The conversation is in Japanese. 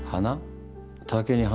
花？